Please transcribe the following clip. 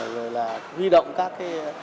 rồi là huy động các